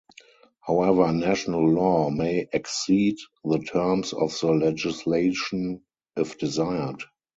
However, national law may exceed the terms of the legislation if desired.